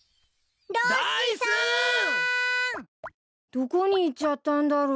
どこに行っちゃったんだろう。